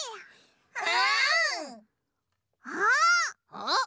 あっ！